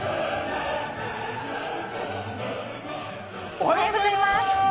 おはようございます。